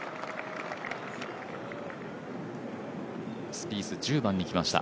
スピース、１０番に来ました。